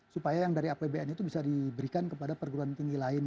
supaya yang dari apbn itu bisa diberikan kepada perguruan tinggi lain